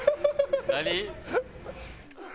何？